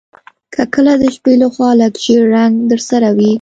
که کله د شپې لخوا لږ ژیړ رنګ درسره وي